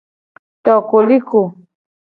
To koliko.